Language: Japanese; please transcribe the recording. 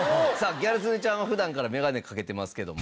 ギャル曽根ちゃんは普段からメガネかけてますけども。